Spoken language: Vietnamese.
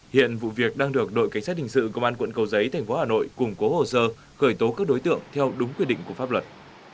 hiện vụ việc đang được đội cảnh sát hình sự công an quận cầu giấy thành phố hà nội củng cố hồ sơ khởi tố các đối tượng theo đúng quy định của pháp luật